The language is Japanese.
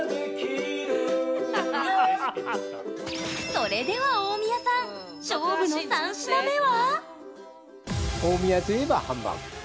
それでは、大宮さん勝負の３品目は？